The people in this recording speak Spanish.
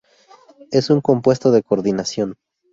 Es un compuesto de coordinación.